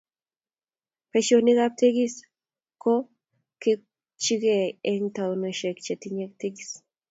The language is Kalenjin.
Boisionikab tekis ko kechikoyoe eng taonisiek chetinyei tekis